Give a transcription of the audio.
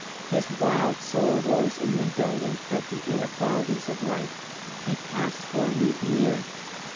His wild soul rose in rebellion at the inequalities of life. He passed for a mutineer.